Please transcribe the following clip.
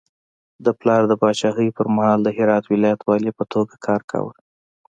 د پلار د پاچاهي پر مهال د هرات ولایت والي په توګه کار کاوه.